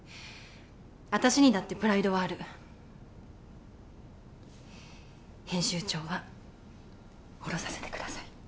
私にだってプライドはある編集長は降ろさせてください